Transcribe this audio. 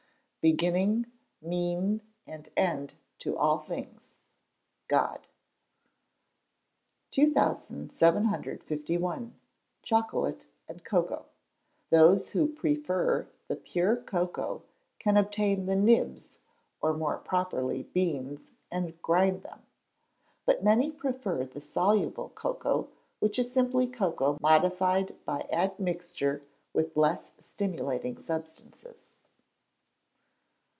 [...BEGINNING, MEAN AND END TO ALL THINGS GOD.] 2751. Chocolate and Cocoa. Those who prefer the pure cocoa can obtain the "nibs," or more properly "beans," and grind them. But many prefer the soluble cocoa, which is simply cocoa modified by admixture with less stimulating substances.